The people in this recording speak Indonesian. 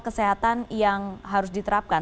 kesehatan yang harus diterapkan